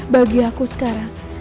bagi aku sekarang